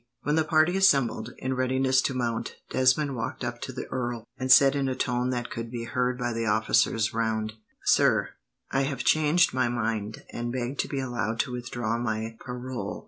When the party assembled, in readiness to mount, Desmond walked up to the earl, and said in a tone that could be heard by the officers round: "Sir, I have changed my mind, and beg to be allowed to withdraw my parole."